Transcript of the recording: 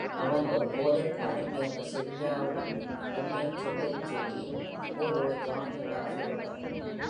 அவன் ஒரு போதைக்கு அடிமை என்று செலியாவிடம் உண்மையைச் சொல்லச் சொல்லி, போலோ ஜானியிடம் சொல்கிறார்.